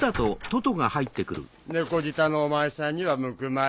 猫舌のお前さんには向くまい。